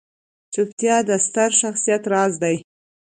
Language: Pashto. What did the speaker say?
چوپتیا، د ستر شخصیت راز دی.